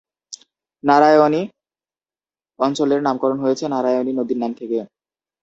নারায়ণী অঞ্চলের নামকরণ হয়েছে নারায়ণী নদীর নাম থেকে।